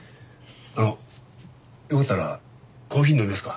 あのよかったらコーヒー飲みますか？